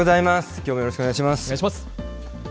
きょうもよろしくお願いします。